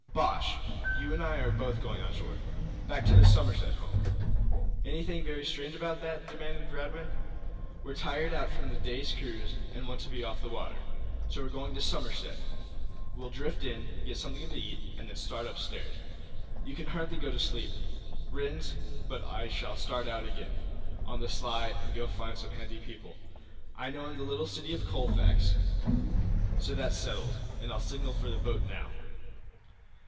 "Bosh! You and I are both going on shore back to the Somerset House. Anything very strange about that?" demanded Radwin. "We're tired out from the day's cruise, and want to be off the water. So we're going to the Somerset. We'll drift in, get something to eat, and then start upstairs. You can hardly go to sleep, Rhinds, but I shall start out again, on the sly, and go to find some handy people I know in the little city of Colfax. So that's settled, and I'll signal for the boat now."